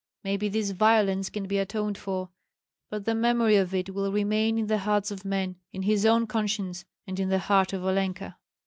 Maybe this violence can be atoned for; but the memory of it will remain in the hearts of men, in his own conscience, and in the heart of Olenka.